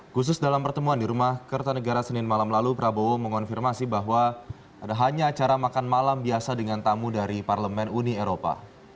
khusus dalam pertemuan di rumah kertanegara senin malam lalu prabowo mengonfirmasi bahwa ada hanya acara makan malam biasa dengan tamu dari parlemen uni eropa